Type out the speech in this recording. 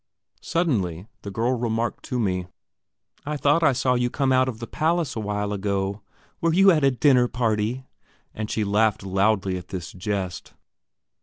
Suddenly the girl remarked to me: "I thought I saw you come out of the palace a while ago; were you at a dinner party?" and she laughed loudly at this jest.